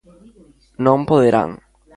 Non poderán.